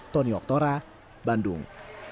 tony oktora bandung